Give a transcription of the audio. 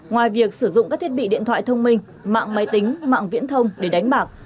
ngoài việc sử dụng các thiết bị điện thoại thông minh mạng máy tính mạng viễn thông để đánh bạc